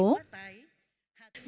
bên cạnh đó